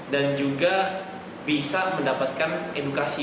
dan juga bisa mendapatkan edukasi